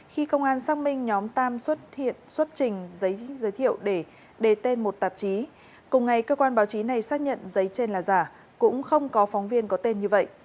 khi công an xác minh nhóm tam xuất hiện xuất trình giấy giới thiệu để đề tên một tạp chí cùng ngày cơ quan báo chí này xác nhận giấy trên là giả cũng không có phóng viên có tên như vậy